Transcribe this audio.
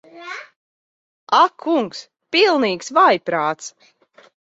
Ak kungs. Pilnīgs vājprāts.